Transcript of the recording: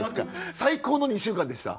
最高の２週間でした？